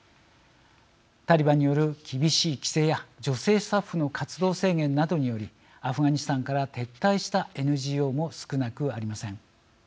タリバンによる厳しい規制や女性スタッフの活動制限などによりアフガニスタンから撤退したＮＧＯも少なくありません。